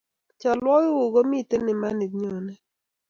chalwogikyuk ko miten emani nyonet